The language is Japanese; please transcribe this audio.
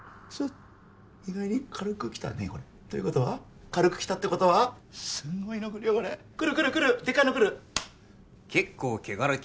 意外に軽くきたねこれということは軽くきたってことはすんごいのくるよこれくるくるくるデカいのくる結構毛ガラケ